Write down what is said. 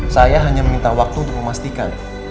saya hanya meminta waktu untuk memastikan